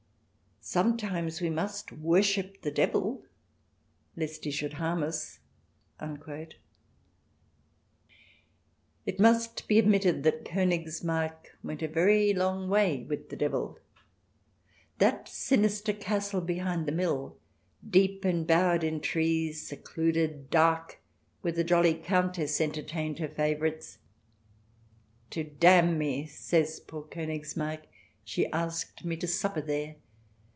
... Sometimes we must worship the devil, lest he should harm us." It must be admitted that Konigsmarck went a very long way with the devil. That sinister castle behind the mill, deep embowered in trees, secluded, dark, where the jolly Countess entertained her favourites — "To damn me," says poor Konigsmarck, "she 232 THE DESIRABLE ALIEN [ch. xvii asked me to supper there."